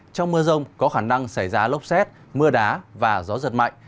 trong mưa rông có khả năng xảy ra lốc xét mưa đá và gió giật mạnh